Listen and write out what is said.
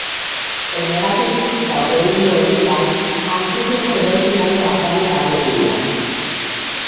Horregatik, gaur egungo elizan antzinako eraikinaren aztarnak ageri dira.